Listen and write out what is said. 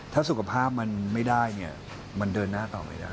ถ้าสุขภาพมันไม่ได้เนี่ยมันเดินหน้าต่อไม่ได้